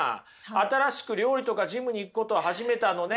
新しく料理とかジムに行くことを始めたのね。